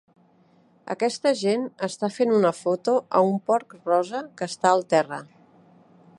Aquesta gent està fent una foto a un porc rosa que està al terra.